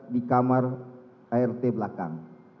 di kamar rt belakang